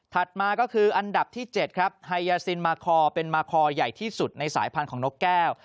มาก็คืออันดับที่๗ครับไฮยาซินมาคอเป็นมาคอใหญ่ที่สุดในสายพันธุ์ของนกแก้ว